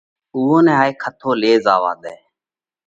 اُوئون نئہ هائي کٿو تو لي زاوا ۮئہ۔